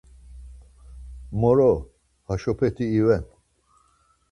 Moro... Haşopeti iven.